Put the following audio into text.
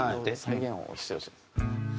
再現をしてほしいです。